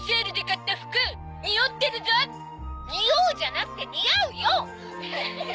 「“におう”じゃなくて“にあう”よ！」